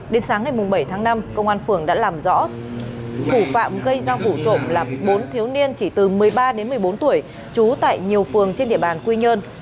đến sáng ngày bảy tháng năm công an phường đã làm rõ thủ phạm gây ra vụ trộm là bốn thiếu niên chỉ từ một mươi ba đến một mươi bốn tuổi trú tại nhiều phường trên địa bàn quy nhơn